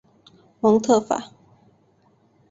蒙特法。